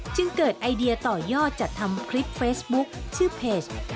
จึงเกิดไอเดียต่อยอดจัดทำคลิปเฟซบุ๊คชื่อเพจ